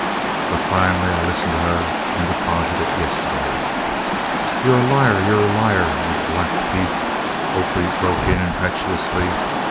But fin'lly I listened to huh an' sposited it yistiddy." "You 're a liar! you 're a liar, you black thief!" Oakley broke in impetuously.